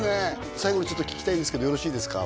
最後に聞きたいんですけどよろしいですか？